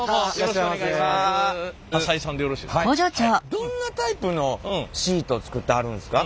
どんなタイプのシートを作ってはるんですか？